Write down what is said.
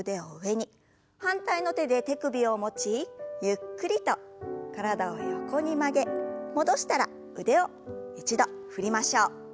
反対の手で手首を持ちゆっくりと体を横に曲げ戻したら腕を一度振りましょう。